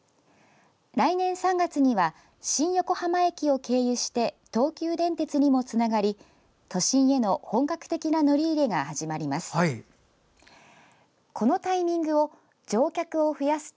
来年３月には新横浜駅を経由して東急電鉄にもつながり都心への本格的な乗り入れが始まります。